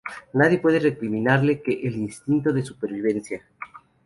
nadie puede recriminarle que el instinto de supervivencia